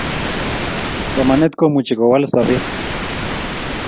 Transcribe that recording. Somanet komuchi kowal sobet